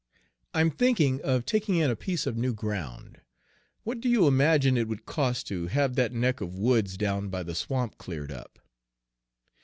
I'm thinking of taking in a piece of new ground. What do you imagine it would cost to have that neck of woods down by the swamp cleared up?"